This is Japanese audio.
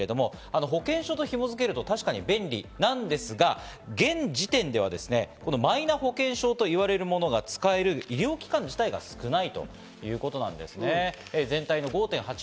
ＶＴＲにもありましたけど、保険証と紐づけると確かに便利なんですが、現時点ではこのマイナ保険証といわれるものが使える医療機関自体が少ない。ということなんですね。